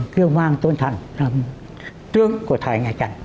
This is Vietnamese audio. kiêu mang tôn thần trương của thầy ngài trần